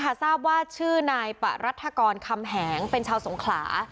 ทราบว่าชื่อนายปะรัฐกรคำแหงเป็นชาวสงขลา